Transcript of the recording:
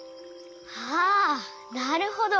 ああなるほど！